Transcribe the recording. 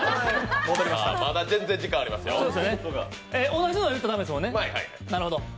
同じの言ったら駄目ですもんね。